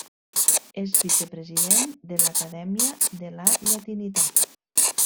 És vicepresident de l’Acadèmia de la Llatinitat.